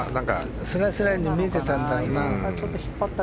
スライスラインに見えてたんだろうな。